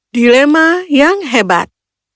dilema yang hebat